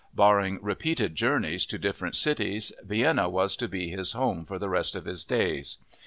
Barring repeated journeys to different cities, Vienna was to be his home for the rest of his days.